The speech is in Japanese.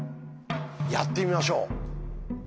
やってみましょう。